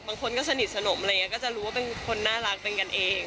บางคนก็สนิทสนมอะไรอย่างนี้ก็จะรู้ว่าเป็นคนน่ารักเป็นกันเอง